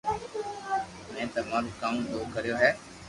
۾ تمارو ڪاو دوھ ڪريو ھي